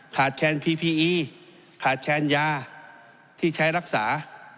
แคนพีพีอีขาดแคนยาที่ใช้รักษา